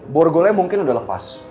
borgole mungkin udah lepas